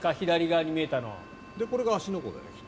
これが芦ノ湖だよね。